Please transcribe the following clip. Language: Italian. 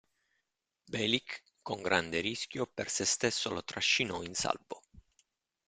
Bellick, con grande rischio per se stesso, lo trascinò in salvo.